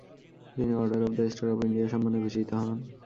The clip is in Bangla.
তিনি order of the star of India সম্মানে ভূষিত হন।